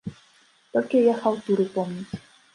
Толькі яе хаўтуры помніць.